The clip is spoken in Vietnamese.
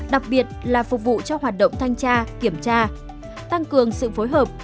đặc biệt là phục vụ cho hoạt động thanh tra kiểm tra tăng cường sự phối hợp